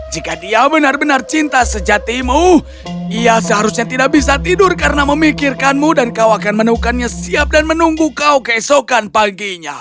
jika dia benar benar cinta sejatimu ia seharusnya tidak bisa tidur karena memikirkanmu dan kau akan menemukannya siap dan menunggu kau keesokan paginya